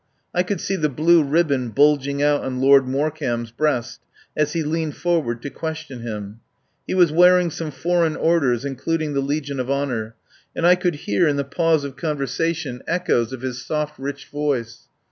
I could see the blue ribbon bulging out on Lord Morecambe's breast as he leaned forward to question him. He was wearing some foreign orders, including the Legion of Honour, and I could hear in the pause of conversation ech 130 I TAKE A PARTNER oes of his soft, rich voice.